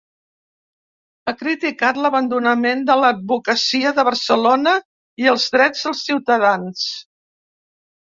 Ha criticat l’abandonament de l’advocacia de Barcelona i els drets dels ciutadans.